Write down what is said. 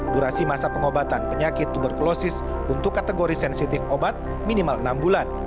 durasi masa pengobatan penyakit tuberkulosis untuk kategori sensitif obat minimal enam bulan